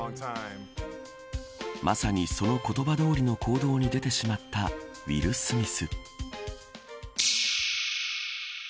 まさにその言葉どおりの行動に出てしまったウィル・スミス。